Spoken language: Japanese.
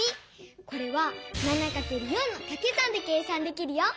これは７×４のかけ算で計算できるよ！